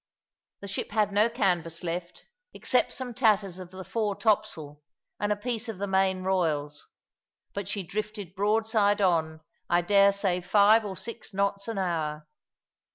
The ship had no canvas left, except some tatters of the fore topsail, and a piece of the main royals; but she drifted broadside on, I daresay five or six knots an hour.